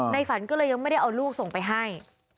ฝันก็เลยยังไม่ได้เอาลูกส่งไปให้